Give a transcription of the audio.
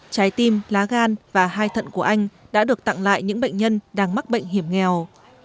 trái tim lá gan và hai thận của anh đã được tặng lại những bệnh nhân đang mắc bệnh hiểm nghèo